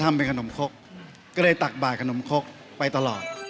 ทำเป็นขนมคกก็เลยตักบาดขนมคกไปตลอด